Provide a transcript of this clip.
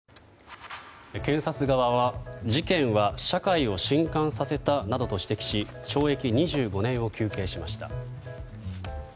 検察側は、事件は社会を震撼させたなどと指摘し懲役２５年を求刑しました。